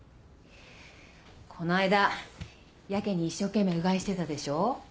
この間やけに一生懸命うがいしてたでしょ？